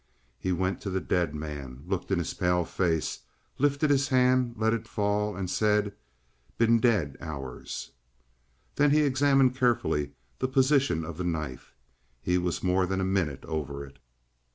He went to the dead man, looked in his pale face, lifted his hand, let it fall, and said: "Been dead hours." Then he examined carefully the position of the knife. He was more than a minute over it.